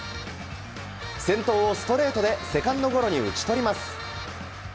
先頭をストレートでセカンドゴロに打ち取ります。